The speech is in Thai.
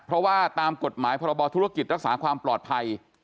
เพราะว่าตามกฎหมายพรบธุรกิจรักษาความปลอดภัย